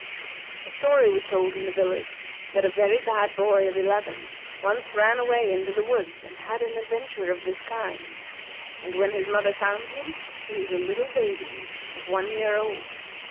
A story was told in the village that a very bad boy of eleven once ran away into the woods, and had an adventure of this kind; and when his mother found him he was a little baby of one year old.